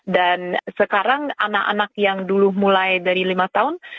dan sekarang anak anak yang dulu mulai dari lima tahun